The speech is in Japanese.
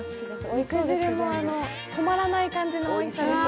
肉汁も止まらない感じのおいしさ。